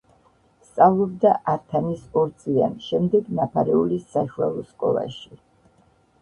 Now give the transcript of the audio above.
სწავლობდა ართანის ორწლიან, შემდეგ ნაფარეულის საშუალო სკოლაში.